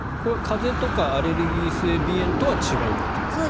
風邪とかアレルギー性鼻炎とは違うという。